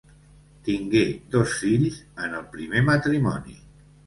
Tingué dos fills en el primer matrimoni.